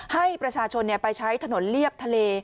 ให้ประชาชนไปใช้ถนนเรียบทะเล